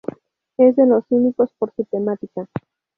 Es de los únicos por su temática.